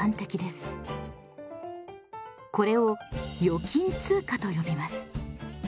これを預金通貨と呼びます。